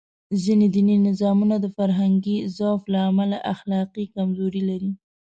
ځینې دیني نظامونه د فرهنګي ضعف له امله اخلاقي کمزوري لري.